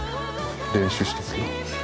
練習しとくよ。